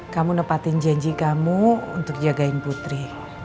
kamu nepatin janji kamu untuk jagain putri